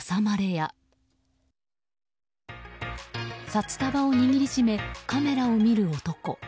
札束を握り締めカメラを見る男。